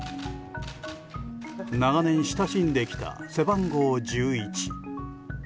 長年親しんできた背番号１１。